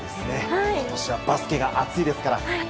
今年はバスケが熱いですから。